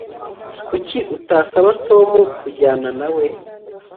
Kuki utasaba Tom kujyana nawe